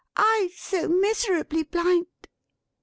I so miserably blind!"